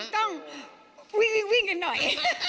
ต้องวิ่งกันหน่อย